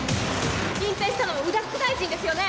隠蔽したのは宇田副大臣ですよね？